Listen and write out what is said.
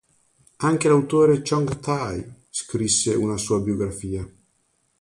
Anche l'autore Chong Tai scrisse una sua biografia.